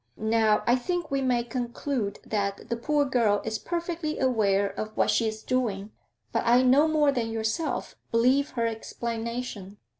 Now I think we may conclude that the poor girl is perfectly aware of what she is doing, but I no more than yourself believe her explanation.